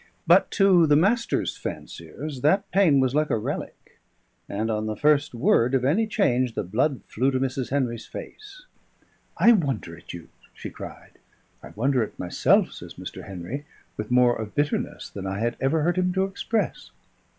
But to the Master's fanciers that pane was like a relic; and on the first word of any change the blood flew to Mrs. Henry's face. "I wonder at you!" she cried. "I wonder at myself," says Mr. Henry, with more of bitterness than I had ever heard him to express.